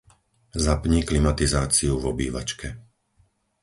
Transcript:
Zapni klimatizáciu v obývačke.